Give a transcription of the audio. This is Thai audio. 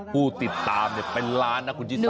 ผู้ติดตามเป็นล้านนะคุณชิสา